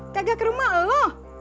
kagak ke rumah lu